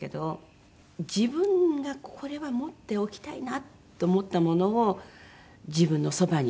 自分がこれは持っておきたいなと思ったものを自分のそばに置く。